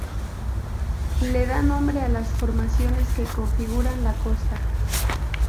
Le da nombre a las formaciones que configuran la costa.